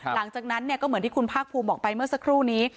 หลังจากนั้นก็เหมือนที่คุณภาคภูมิบอกไปเมื่อสักครู่นี้